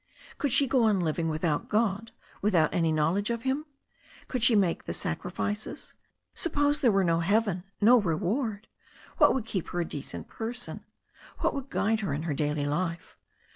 Could she go on living without God, without any knowledge of Him? Could she make the sacrifices ? Suppose there were no heaven — ^no reward ? What would keep her a decent person? What would guide her in her daily life?